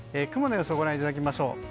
雲の様子をご覧いただきます。